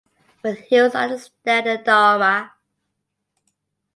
When he was understand the Dharma.